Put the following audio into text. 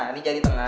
ini jadi tengah